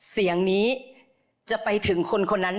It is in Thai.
เสียงนี้จะไปถึงคนคนนั้น